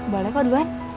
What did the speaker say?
balik kok duluan